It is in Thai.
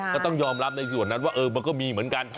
ก็ต้องยอมรับในส่วนนั้นว่ามันก็มีเหมือนกัน